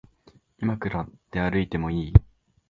いまから出歩いてもいい？